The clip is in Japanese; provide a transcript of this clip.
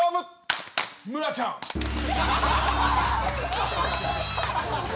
え！？